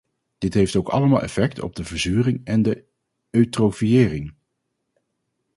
Dit heeft ook allemaal effect op de verzuring en de eutrofiëring.